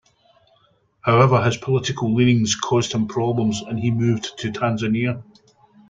However, his political leanings caused him problems and he moved to Tanzania.